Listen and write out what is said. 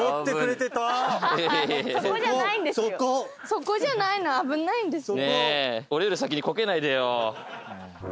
そこじゃないの危ないんです。